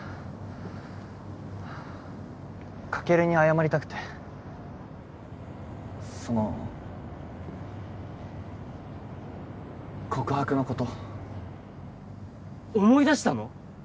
カケルに謝りたくてその告白のこと思い出したの！？